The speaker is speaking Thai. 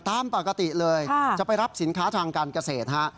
ตามปกติเลยจะไปรับสินค้าทางการเกษตรฮะ